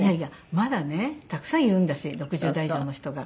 まだねたくさんいるんだし６０代以上の人が。